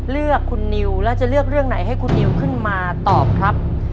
เลือกคุณนิวแล้วจะเลือกเรื่องไหนให้คุณนิวขึ้นมาตอบครับ